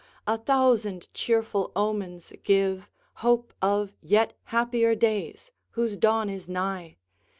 a thousand cheerful omens give Hope of yet happier days, whose dawn is nigh.